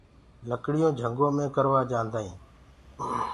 لڪڙيونٚ جھنٚگو مي ڪروآ جآنٚدآئينٚ